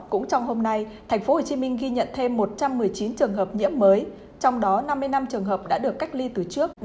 cũng trong hôm nay tp hcm ghi nhận thêm một trăm một mươi chín trường hợp nhiễm mới trong đó năm mươi năm trường hợp đã được cách ly từ trước